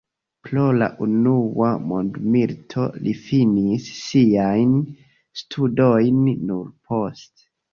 Pro la unua mondmilito li finis siajn studojn nur poste.